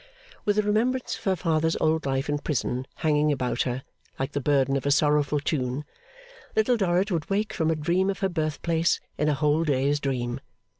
With a remembrance of her father's old life in prison hanging about her like the burden of a sorrowful tune, Little Dorrit would wake from a dream of her birth place into a whole day's dream.